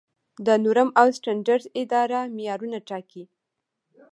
د نورم او سټنډرډ اداره معیارونه ټاکي؟